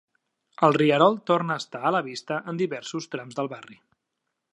El rierol torna a estar a la vista en diversos trams del barri.